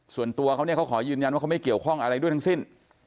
ส่วนตัวเขาเนี่ยเขาขอยืนยันว่าเขาไม่เกี่ยวข้องอะไรด้วยทั้งสิ้น